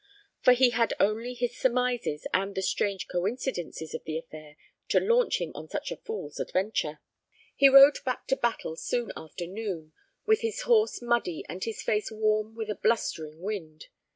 For he had only his surmises and the strange coincidences of the affair to launch him on such a fool's adventure. He rode back to Battle soon after noon, with his horse muddy and his face warm with a blustering wind.